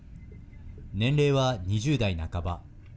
年齢は２０代半ば。